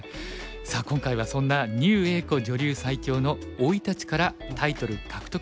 さあ今回はそんな牛栄子女流最強の生い立ちからタイトル獲得までを追ってみました。